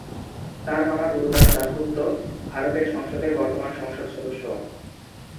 তার মামা গুরুদাস দাশগুপ্ত ভারতের সংসদের বর্তমান সংসদ সদস্য।